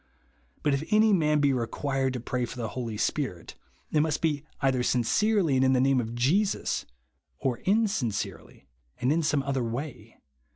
But if any man be required to piay for the Holy Spirit, it must be either sincerely and in the name of Jesus, or in sincerely and in some other way.